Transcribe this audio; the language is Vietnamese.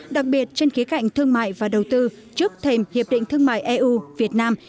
đặc biệt trên khía cạnh thương mại và đầu tư trước thềm hiệp định thương mại eu việt nam